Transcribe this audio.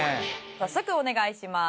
早速お願いします。